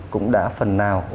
cũng đã phần nào